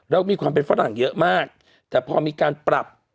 แล้วมีความเป็นฝรั่งเยอะมากแต่พอมีการปรับ